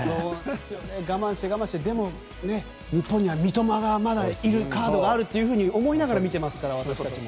我慢して、我慢してでも日本には三笘がまだいる、カードがあると思いながら見ていますから、私たちも。